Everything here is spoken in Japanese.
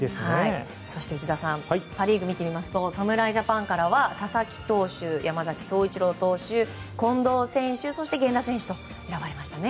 そしてパ・リーグを見てみますと侍ジャパンからは佐々木投手、山崎颯一郎投手近藤選手、源田選手と選ばれましたね。